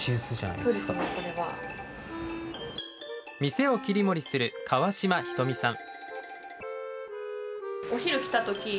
店を切り盛りする川嶋仁美さん。